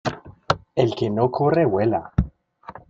El que no corre vuela.